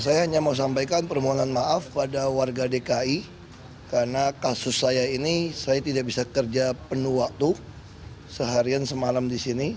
saya hanya mau sampaikan permohonan maaf pada warga dki karena kasus saya ini saya tidak bisa kerja penuh waktu seharian semalam di sini